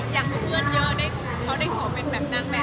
อย่างเพื่อนเยอะเขาได้ขอเป็นนางแบบ